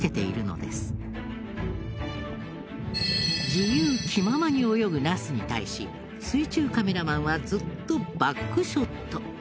自由気ままに泳ぐナスに対し水中カメラマンはずっとバックショット。